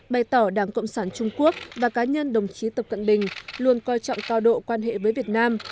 bày tỏ đảng cộng sản trung quốc và cá nhân đồng chí tập cận bình luôn coi trọng cao độ quan hệ với việt nam